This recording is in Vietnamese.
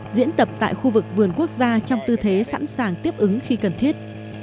diễn tập tại khu vực vườn quốc gia trong tư thế sẵn sàng tiếp ứng khi cần thiết